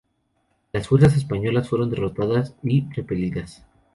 Las fuerzas españolas fueron derrotadas y repelidas.